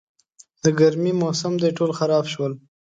د ګرمي موسم دی، ټول خراب شول.